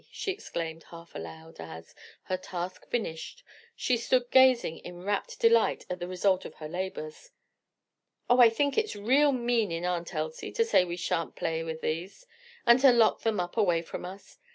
she exclaimed half aloud, as, her task finished, she stood gazing in rapt delight at the result of her labors. "Oh I think it's real mean in Aunt Elsie, to say we sha'n't play with these, and to lock them up away from us.